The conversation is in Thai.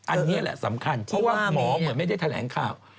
อันนี้แหละสำคัญเพราะว่าหมอเหมือนไม่ได้แถลงข่าว